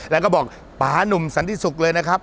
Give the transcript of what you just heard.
แล้วก็บอกปานุ่มสันติศุกร์เลยนะครับ